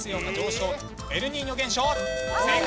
正解！